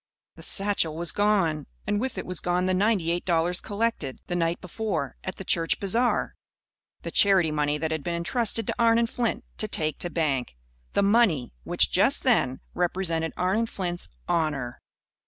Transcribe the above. The satchel was gone. And with it was gone the ninety eight dollars collected, the night before, at the church bazaar the charity money that had been entrusted to Arnon Flint to take to bank the money which, just then, represented Arnon Flint's honour.